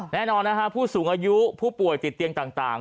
แน่นอนนะฮะผู้สูงอายุผู้ป่วยติดเตียงต่าง